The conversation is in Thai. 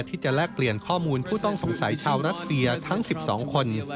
แลกเปลี่ยนข้อมูลผู้ต้องสงสัยชาวรัสเซียทั้ง๑๒คน